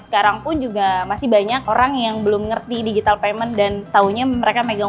sekarang pun juga masih banyak orang yang belum ngerti digital payment dan taunya mereka megang